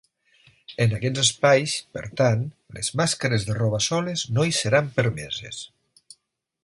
En aquests espais, per tant, les màscares de roba soles no hi seran permeses.